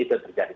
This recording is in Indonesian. itu yang terjadi